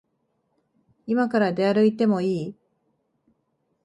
いまから出歩いてもいい？